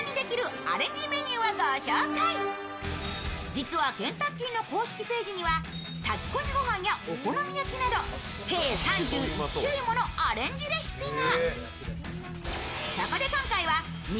実はケンタッキーの公式ページには炊き込みご飯やお好み焼きなど計３１種類ものアレンジレシピが。